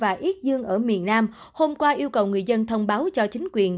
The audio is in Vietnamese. và các thành phố yết dương ở miền nam hôm qua yêu cầu người dân thông báo cho chính quyền